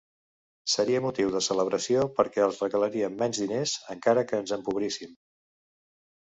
Seria motiu de celebració perquè els regalaríem menys diners, encara que ens empobríssim?